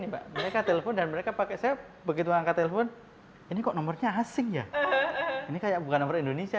bahkan tumbuh di indonesia